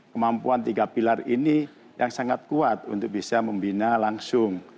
kemampuan tiga pilar ini yang sangat kuat untuk bisa membina langsung